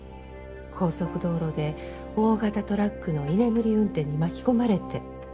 高速道路で大型トラックの居眠り運転に巻き込まれて。